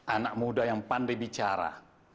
anak muda yang pandai bicara